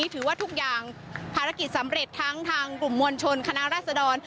ทุกอย่างภารกิจสำเร็จทั้งทางกลุ่มมวลชนสถานการณ์กับคณะรัฐสดร